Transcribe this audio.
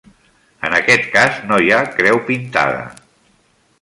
En aquest cas no hi ha creu pintada.